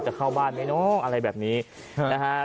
เข้าบ้านไหมน้องอะไรแบบนี้นะฮะ